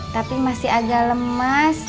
tapi masih agak lemas